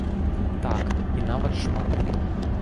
Так, і нават шмат.